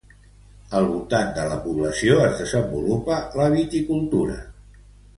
Al voltant de la població es desenvolupa la viticultura.